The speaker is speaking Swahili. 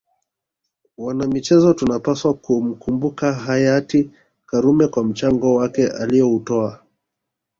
Wanamichezo tunapswa kumkumbuka Hayati Karume kwa mchango wake alioutoa